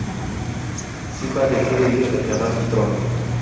Simba decide ir a reclamar su trono.